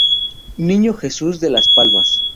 Niño Jesus de Las Palmas.